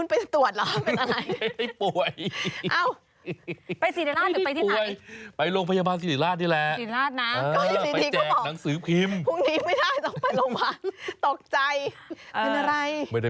ไปจะไปทางกันอาจจะต้องไปต่อหน่อยนะ